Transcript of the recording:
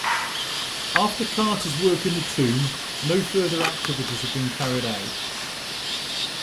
After Carter's work in the tomb, no further activities have been carried out.